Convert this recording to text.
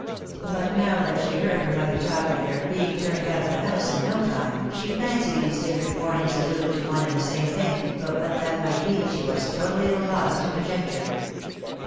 But now that she heard her mother talk of their " being turned out of the house in no time," she fancied these different warnings alluded to one and the same thing, but what that might be she was totally at a loss to conjecture.